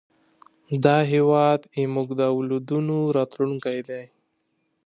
هېواد زموږ د اولادونو راتلونکی دی